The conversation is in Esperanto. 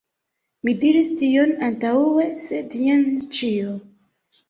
Mi diris tion antaŭe, sed jen ĉio.